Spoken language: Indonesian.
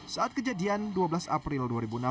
saat kejadian dua belas april dua ribu enam belas